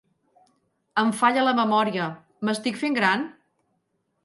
Em falla la memòria. M'estic fent gran?